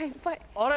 あれ！